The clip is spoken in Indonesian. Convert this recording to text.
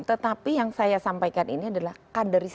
tetapi yang saya sampaikan ini adalah kaderisasi